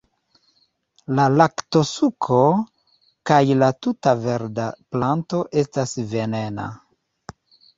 La laktosuko kaj la tuta verda planto estas venena.